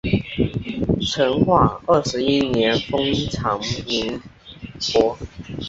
成化二十一年封长宁伯。